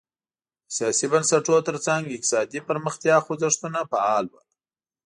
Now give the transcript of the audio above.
د سیاسي بنسټونو ترڅنګ اقتصادي پرمختیا خوځښتونه فعال وو.